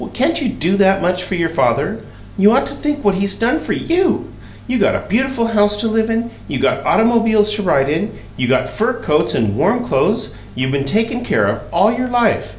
Can't you do that much for your father? You ought to think what he's done for YOU. You got a beautiful house to live in; you got automobiles to ride in; you got fur coats and warm clothes; you been taken care of all your life.